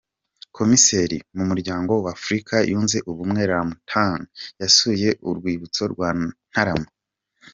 Komiseri mu Muryango w’Afurika Yunze Ubumwe Ramtane yasuye urwibutso rwa Ntarama